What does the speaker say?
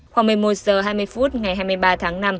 khoảng một mươi một h hai mươi phút ngày hai mươi ba tháng năm